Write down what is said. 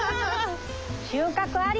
収穫あり！